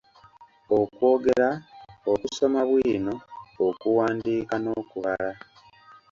Okwogera, Okusoma bwino , Okuwandiika, N’okubala.